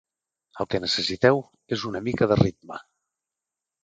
"El que necessiteu és una mica de ritme!"